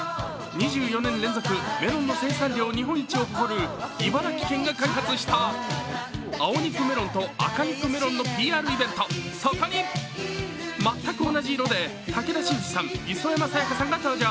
２４年連続、メロンの生産量日本一を誇る茨城県が開催した青肉メロンと赤肉メロンのＰＲイベント、そこに全く同じ色で武田真治さん、磯山さやかさんが登場。